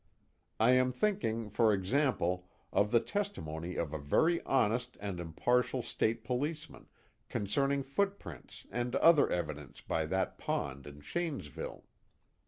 I am thinking, for example, of the testimony of a very honest and impartial State policeman, concerning footprints and other evidence by that pond in Shanesville.